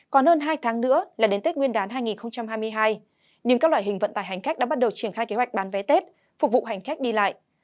còn hơn hai tháng nữa là đến tết nguyên đán hai nghìn hai mươi hai nhưng các loại hình vận tải hành khách đã bắt đầu triển khai kế hoạch bán vé tết phục vụ hành khách đi lại